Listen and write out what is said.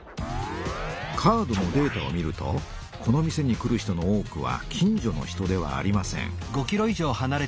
カードのデータを見るとこの店に来る人の多くは近所の人ではありません。